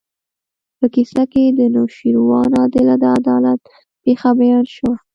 په کیسه کې د نوشیروان عادل د عدالت پېښه بیان شوې.